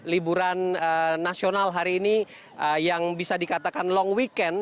liburan nasional hari ini yang bisa dikatakan long weekend